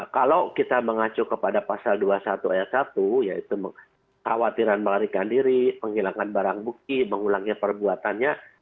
kalau kita mengacu kepada pasal dua puluh satu ayat satu yaitu mengkhawatiran melarikan diri penghilangkan barang bukti mengulangi perbuatannya